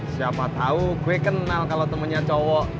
siapa tau gue kenal kalo temennya cowok